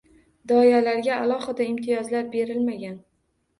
Doyalarga alohida imtiyozlar berilmagan.